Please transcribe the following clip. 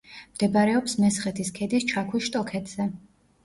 მდებარეობს მესხეთის ქედის ჩაქვის შტოქედზე.